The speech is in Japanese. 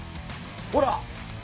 ほら！